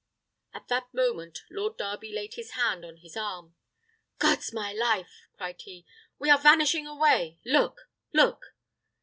At that moment Lord Darby laid his hand on his arm. "God's my life!" cried he, "we are vanishing away. Look, look!"